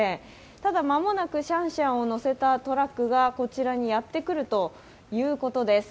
ただ、間もなくシャンシャンを乗せたトラックがこちらにやってくるということです。